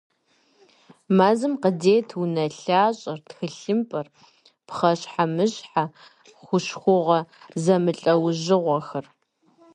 Мэзым къыдет унэлъащӀэр, тхылъымпӀэр, пхъэщхьэмыщхьэ, хущхъуэгъуэ зэмылӀэужьыгъуэхэр.